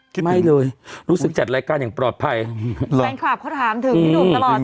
ไม่เลยรู้สึกจัดรายการอย่างปลอดภัยแฟนคลับเขาถามถึงพี่หนุ่มตลอด